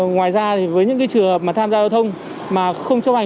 ngoài ra với những trường hợp tham gia giao thông mà không chấp hành